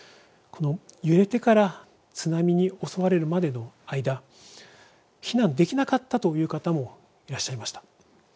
揺れてから津波に襲われるまでの間避難できなかったという方もいらっしゃいました。